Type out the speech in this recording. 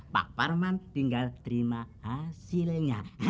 pak parman tinggal terima hasilnya